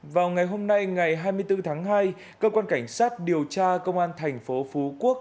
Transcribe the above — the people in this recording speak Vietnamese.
vào ngày hôm nay ngày hai mươi bốn tháng hai cơ quan cảnh sát điều tra công an thành phố phú quốc